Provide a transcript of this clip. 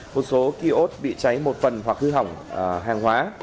một số ký ốt bị cháy một phần hoặc hư hỏng hàng hóa